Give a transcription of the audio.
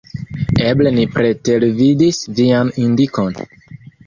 Eble ni pretervidis vian indikon.